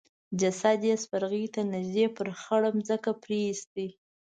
جسد يې سپرغي ته نږدې پر خړه ځمکه پريېست.